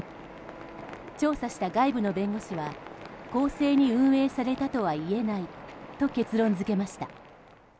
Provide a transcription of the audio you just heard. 調査した外部の弁護士は公正に運営されたとはいえないと結論付けました。